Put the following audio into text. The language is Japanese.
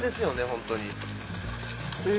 本当に。